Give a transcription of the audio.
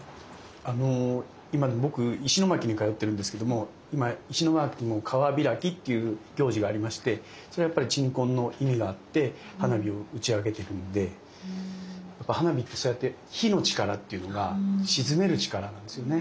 今僕石巻に通ってるんですけども今石巻も「川開き」っていう行事がありましてそれはやっぱり鎮魂の意味があって花火を打ち上げてるんでやっぱ花火ってそうやって火の力っていうのが鎮める力なんですよね。